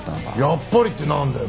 「やっぱり」ってなんだよ